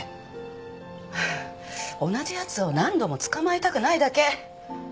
同じ奴を何度も捕まえたくないだけ。